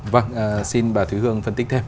vâng xin bà thúy hương phân tích thêm